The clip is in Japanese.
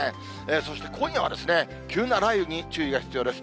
そして今夜は急な雷雨に注意が必要です。